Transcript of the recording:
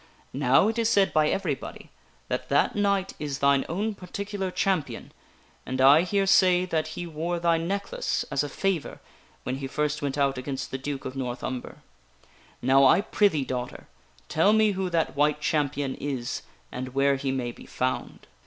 Now it is said by everybody that that knight is thine own particular champion, and I hear say that he wore thy neck lace as a favor when he first went out against the Duke of North Umber. Now I prithee, daughter, tell me who that White Champion is, and where he may be found."